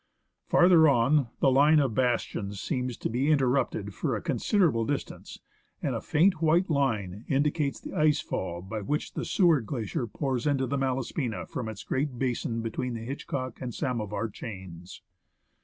Farther on, the line of bastions seems to be interrupted for a considerable distance, and a faint white line indicates the ice fall by which the Seward Glacier pours into the Malaspina from its great basin between the Hitchcock and Samovar chains.